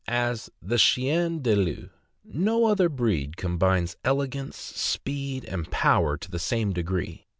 as the "chien de luxe." No other breed combines elegance, speed, and power to the same degree.